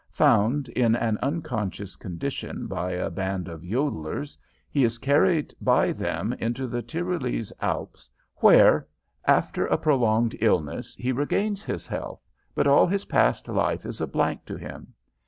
Found in an unconscious condition by a band of yodelers, he is carried by them into the Tyrolese Alps, where, after a prolonged illness, he regains his health, but all his past life is a blank to him.